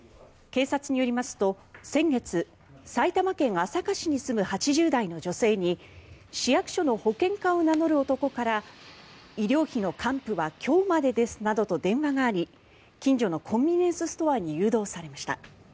警察によりますと先月埼玉県朝霞市に住む８０代の女性に市役所の保健課を名乗る男から医療費の還付は今日までですなどと電話があり近所のコンビニエンスストアに誘導されました。